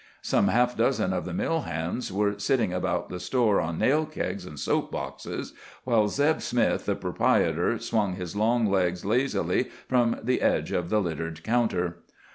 Some half dozen of the mill hands were sitting about the store on nail kegs and soap boxes, while Zeb Smith, the proprietor, swung his long legs lazily from the edge of the littered counter.